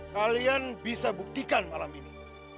kalian bisa buktikan malam ini